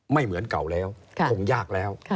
ไม่เหมือนเก่าแล้วคงยากแล้ว